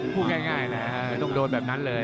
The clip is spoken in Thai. พูดง่ายเลยต้องโดนแบบนั้นเลย